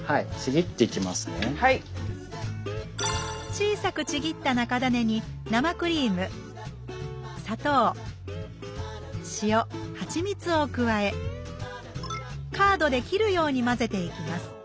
小さくちぎった中種に生クリーム砂糖塩ハチミツを加えカードで切るように混ぜていきます。